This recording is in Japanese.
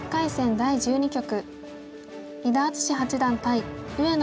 第１２局伊田篤史八段対上野